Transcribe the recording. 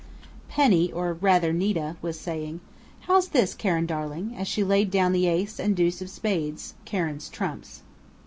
Penny, or rather "Nita," was saying: "How's this, Karen darling?" as she laid down the Ace and deuce of Spades, Karen's trumps.